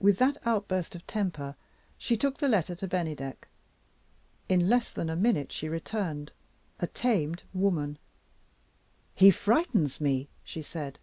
With that outburst of temper, she took the letter to Bennydeck. In less than a minute she returned, a tamed woman. "He frightens me," she said.